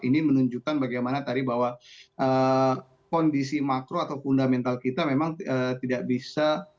ini menunjukkan bagaimana tadi bahwa kondisi makro atau fundamental kita memang tidak bisa